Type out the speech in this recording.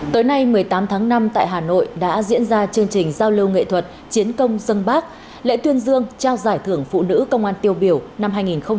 tới nay một mươi tám tháng năm tại hà nội đã diễn ra chương trình giao lưu nghệ thuật chiến công dân bác lễ tuyên dương trao giải thưởng phụ nữ công an tiêu biểu năm hai nghìn hai mươi hai nghìn hai mươi một